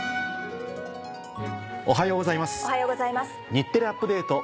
『日テレアップＤａｔｅ！』